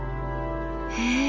へえ。